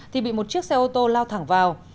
thì bị một chiếc xe ô tô lao thẳng vào